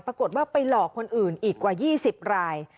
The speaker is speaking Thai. ปรากฏว่าไปหลอกคนอื่นอีกกว่า๒๐ราย